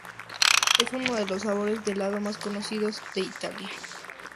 Es uno de los sabores de helado más conocidos de Italia.